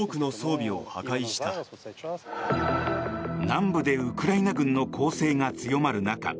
南部でウクライナ軍の攻勢が強まる中